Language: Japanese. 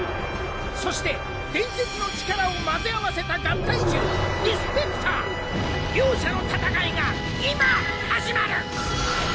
そして伝説の力を混ぜ合わせた合体獣ディスペクター。両者の戦いが今始まる！